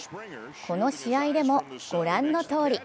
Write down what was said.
この試合でもご覧のとおり。